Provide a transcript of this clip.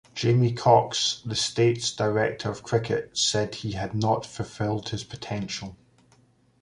Jamie Cox, the state's director of cricket, said he had not fulfilled his potential.